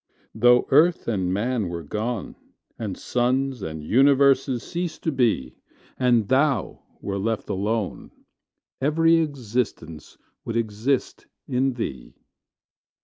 Though earth and man were gone, And suns and universes ceased to be, And Thou were left alone, Every existence would exist in Thee.